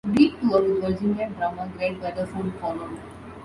A brief tour with Virginia drummer Greg Weatherford followed.